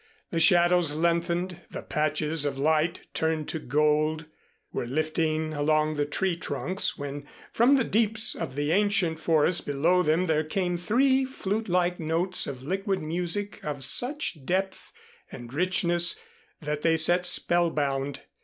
The shadows lengthened. The patches of light, turned to gold, were lifting along the tree trunks when from the deeps of the ancient forest below them there came three flutelike notes of liquid music of such depth and richness that they sat spellbound.